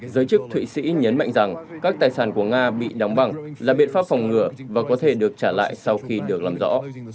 giới chức thụy sĩ nhấn mạnh rằng các tài sản của nga bị đóng bằng là biện pháp phòng ngừa và có thể được trả lại sau khi được làm rõ